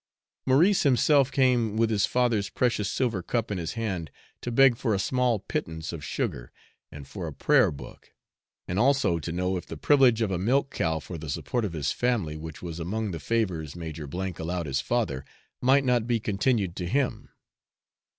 Maurice himself came with his father's precious silver cup in his hand, to beg for a small pittance of sugar, and for a prayer book, and also to know if the privilege of a milch cow for the support of his family, which was among the favours Major allowed his father, might not be continued to him.